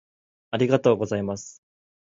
ありがとうございます